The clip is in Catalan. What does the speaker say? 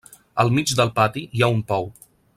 Al mig del pati hi ha un pou.